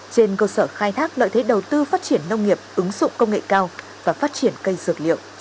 trên cơ sở khai thác lợi thế đầu tư phát triển nông nghiệp ứng dụng công nghệ cao và phát triển cây dược liệu dưới tán rừng